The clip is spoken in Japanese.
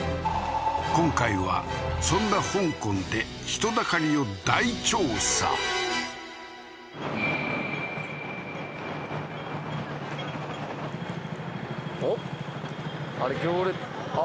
今回はそんな香港で人だかりを大調査えっ